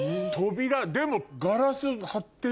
でも。